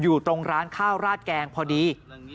อยู่ตรงร้านข้าวราดแกงพอดี